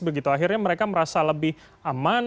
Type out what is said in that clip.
begitu akhirnya mereka merasa lebih aman